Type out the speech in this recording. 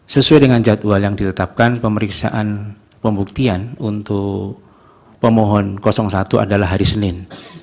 sesuai dengan jadwal yang ditetapkan pemeriksaan pembuktian untuk pemohon satu adalah hari senin